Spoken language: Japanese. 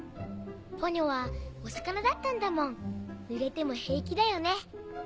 ポニョはお魚だったんだもんぬれても平気だよね？